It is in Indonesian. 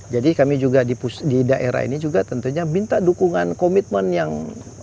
jadi kami juga di daerah ini juga tentunya minta dukungan komitmen yang